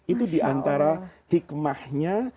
itu diantara hikmahnya